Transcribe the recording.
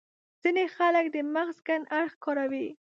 ځينې خلک د مغز کڼ اړخ کاروي.